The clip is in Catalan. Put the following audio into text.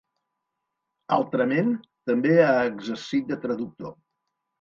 Altrament, també ha exercit de traductor.